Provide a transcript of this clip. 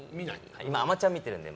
今「あまちゃん」を見てるんで。